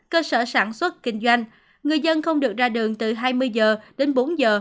cơ sở sản xuất kinh doanh người dân không được ra đường từ hai mươi h đến bốn h